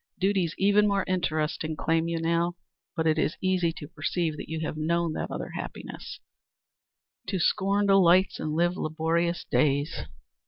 Duties even more interesting claim you now, but it is easy to perceive that you have known that other happiness, 'To scorn delights and live laborious days.'"